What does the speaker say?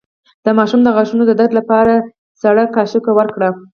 د ماشوم د غاښونو د درد لپاره سړه قاشق ورکړئ